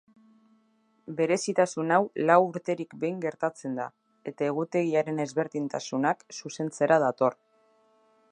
Berezitasun hau lau urterik behin gertatzen da, eta egutegiaren ezberdintasunak zuzentzera dator.